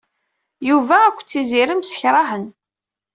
Yuba akked Tiziri msekṛahen.